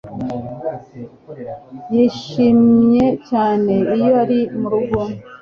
Yishimye cyane iyo ari murugo.